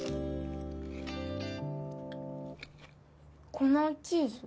粉チーズ？